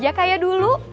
masih aja kayak dulu